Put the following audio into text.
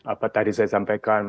apa tadi saya sampaikan